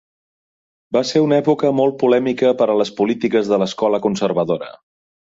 Va ser una època molt polèmica per a les polítiques de l' escola conservadora.